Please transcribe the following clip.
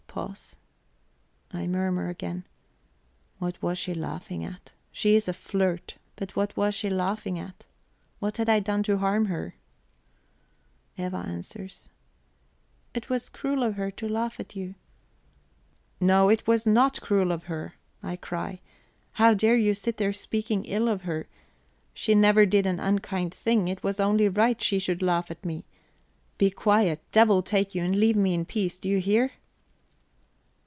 Pause. I murmur again: "What was she laughing at? She is a flirt; but what was she laughing at? What had I done to harm her?" Eva answers: "It was cruel of her to laugh at you." "No, it was not cruel of her," I cry. "How dare you sit there speaking ill of her? She never did an unkind thing; it was only right that she should laugh at me. Be quiet, devil take you, and leave me in peace do you hear?"